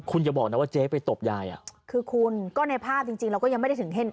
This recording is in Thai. คุณอย่าบอกนะว่าเจ๊ไปตบยายอ่ะคือคุณก็ในภาพจริงจริงเราก็ยังไม่ได้ถึงเห็น